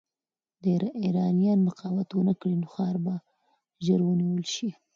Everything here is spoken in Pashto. که ایرانیان مقاومت ونه کړي، نو ښار به ژر نیول شي.